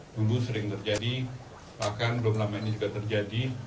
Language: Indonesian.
dulu sering terjadi bahkan belum lama ini juga terjadi